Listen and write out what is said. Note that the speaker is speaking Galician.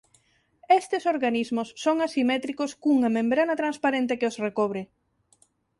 Estes organismos son asimétricos cunha membrana transparente que os recobre.